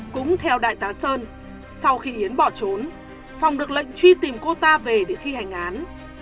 cũng theo đại tá sơn sau khi yến bỏ trốn phòng được lệnh truy tìm cô ta về để thi hành án